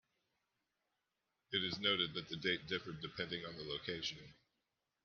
It is noted that the date differed depending on the location.